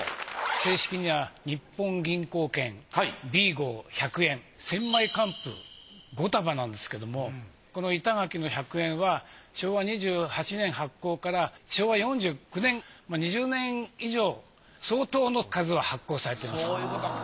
正式には日本銀行券Ｂ号百円１，０００枚官封５束なんですけどもこの板垣の百円は昭和２８年発行から昭和４９年２０年以上相当の数を発行されてますから。